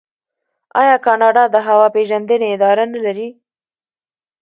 آیا کاناډا د هوا پیژندنې اداره نلري؟